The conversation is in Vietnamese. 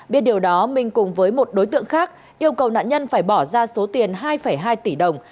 biết điều đó minh cùng với một đối tượng khác yêu cầu nạn nhân phải bỏ ra số tiền hai hai tỷ đồng